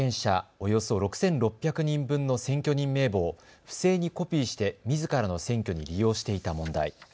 およそ６６００人分の選挙人名簿を不正にコピーしてみずからの選挙に利用していた問題。